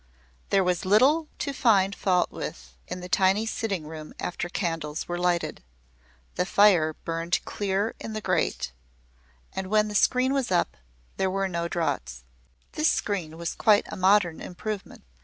There was little to find fault with in the tiny sitting room after candles were lighted. The fire burned clear in the grate; and when the screen was up, there were no draughts. This screen was quite a modern improvement.